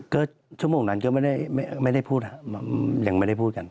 ก็ชั่วโมงนั้นก็ไม่ได้พูดครับยังไม่ได้พูดกัน